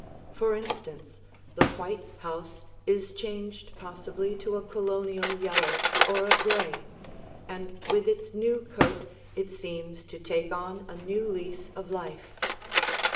For instance, the white house is changed possibly to a Colonial yellow or a gray, and with its new coat it seems to take on a new lease of life.